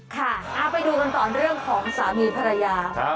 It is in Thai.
ค่ะไปดูกันต่อเรื่องของสามีภรรยา